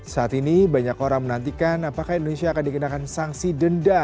saat ini banyak orang menantikan apakah indonesia akan dikenakan sanksi denda